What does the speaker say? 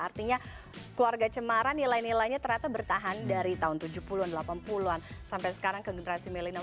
artinya keluarga cemara nilai nilainya ternyata bertahan dari tahun tujuh puluh an delapan puluh an sampai sekarang ke generasi milenial